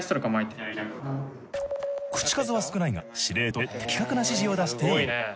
口数は少ないが司令塔として的確な指示を出していく。